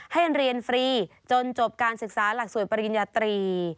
ให้เรียนฟรีจนจบการศึกษาหลักสวยปริญญาตรี